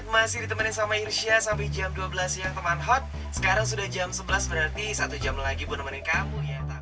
masih ditemani sama irsya sampai jam dua belas siang teman hot sekarang sudah jam sebelas berarti satu jam lagi bu nemenin kamu ya